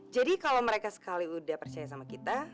jadi kalau mereka sekali udah percaya sama kita